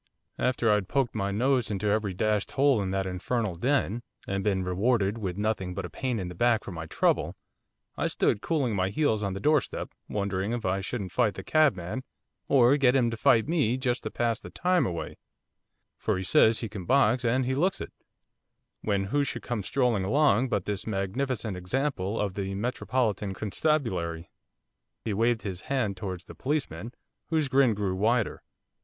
'After I'd poked my nose into every dashed hole in that infernal den, and been rewarded with nothing but a pain in the back for my trouble, I stood cooling my heels on the doorstep, wondering if I should fight the cabman, or get him to fight me, just to pass the time away, for he says he can box, and he looks it, when who should come strolling along but this magnificent example of the metropolitan constabulary.' He waved his hand towards the policeman, whose grin grew wider.